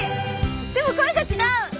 でも声が違う！